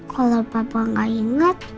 kalau papa enggak ingat